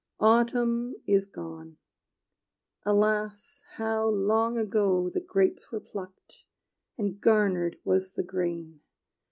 Autumn is gone: alas, how long ago The grapes were plucked, and garnered was the grain!